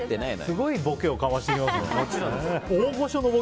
すごいボケをかましてきますね。